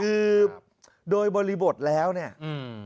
คือโดยบริบทแล้วเนี่ยอืม